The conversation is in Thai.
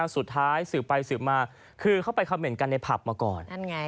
สืบไปสืบมาคือเข้าไปคำเห็นกันในผับมาก่อน